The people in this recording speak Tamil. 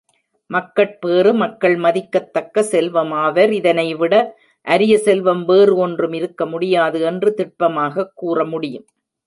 மக்கட்பேறு மக்கள் மதிக்கத்தக்க செல்வமாவர் இதனைவிட அரிய செல்வம் வேறு ஒன்றும் இருக்க முடியாது என்று திட்பமாகக் கூறமுடியும்.